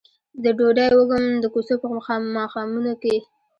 د ډوډۍ وږم د کوڅو په ماښامونو کې